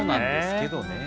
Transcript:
けどね。